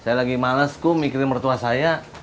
saya lagi males kok mikirin mertua saya